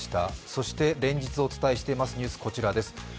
そして、連日お伝えしていますニュース、こちらです。